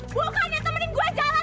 bukan yang temenin gue jalan